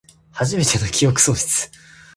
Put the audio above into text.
はじめての記憶喪失